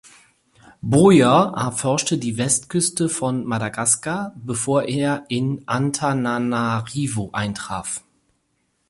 Bojer erforschte die Westküste von Madagaskar, bevor er in Antananarivo eintraf.